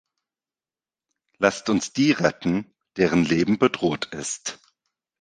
Lasst uns die retten, deren Leben bedroht ist.